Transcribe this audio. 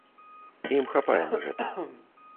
Ім хапае на гэта.